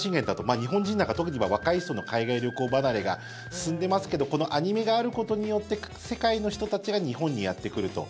日本人なんか特に今、若い人の海外旅行離れが進んでますけどこのアニメがあることによって世界の人たちが日本にやってくると。